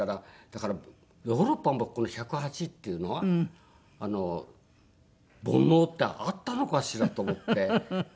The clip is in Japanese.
だからヨーロッパもこの１０８っていうのは煩悩ってあったのかしら？と思って。